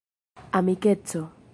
amikeco